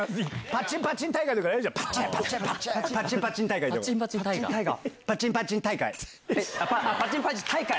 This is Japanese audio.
パッチンパッチン大会。